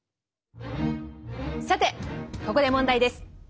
さてここで問題です。